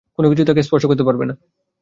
কোনো কিছুই তাকে স্পর্শ করতে পারবে না।